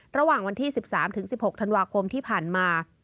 ระหว่างวันที่๑๓๑๖ธันวาคมที่ผ่านมา